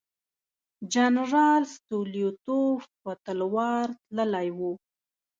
جنرال ستولیتوف په تلوار تللی وو.